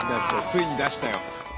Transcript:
ついに出したよ。